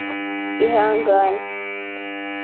Ihangane